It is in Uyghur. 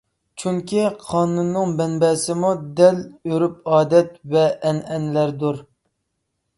چۈنكى، قانۇننىڭ مەنبەسىمۇ دەل ئۆرپ-ئادەت ۋە ئەنئەنىلەردۇر.